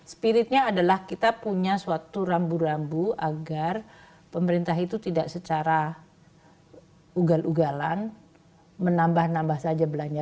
spiritnya adalah kita punya suatu rambu rambu agar pemerintah itu tidak secara ugal ugalan menambah nambah saja belanja